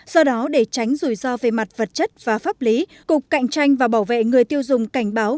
do đó để tránh rủi ro về mặt vật chất và pháp lý cục cạnh tranh và bảo vệ người tiêu dùng cảnh báo